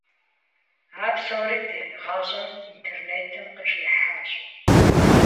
А псори ди гъащӀэм интернетым къыхихьащ.